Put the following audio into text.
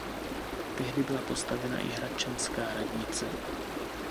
Tehdy byla postavena i hradčanská radnice.